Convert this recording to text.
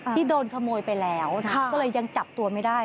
ที่โดนขโมยไปแล้วก็เลยยังจับตัวไม่ได้